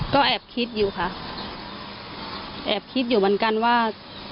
ก็แอบคิดอยู่ค่ะแอบคิดอยู่เหมือนกันว่า